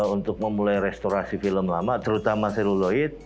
untuk memulai restorasi film lama terutama seluloid